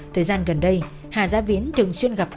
thời gian gần đây hà giá viễn thường xuyên gặp